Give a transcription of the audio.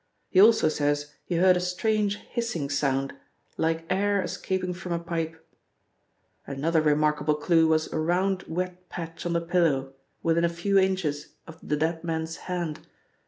He also says he heard a strange hissing sound, like air escaping from a pipe. Another remarkable clue was a round wet patch on the pillow, within a few inches of the dead man's hand.